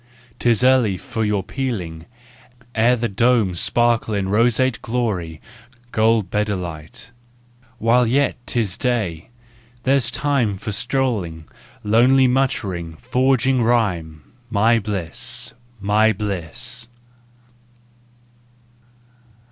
Tis early for your pealing, ere the dome Sparkle in roseate glory, gold bedight. While yet 'tis day, there's time For strolling, lonely muttering, forging rhyme— My bliss! My bliss!